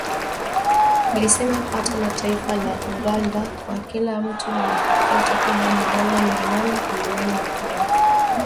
Ilisema pato la taifa la Uganda kwa kila mtu lilifikia takriban dola mia nane themanini mwaka wa elfu mbili ishirini na moja na limeongezeka kidogo tu katika mwaka huo